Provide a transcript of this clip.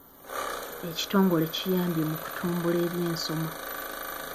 Ekitongole kiyambye mu kutumbula eby'ensoma.